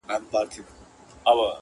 • چي ستا د لبو نشه راکړي میکدې لټوم,